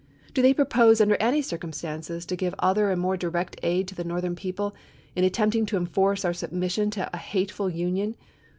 Do they propose under any circumstances to give other and more direct aid to the Northern people in attempt ing to enforce our submission to a hateful Union